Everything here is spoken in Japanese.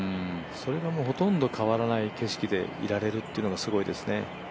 それがほとんど変わらない景色でいられるというのがすごいですね。